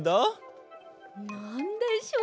なんでしょう？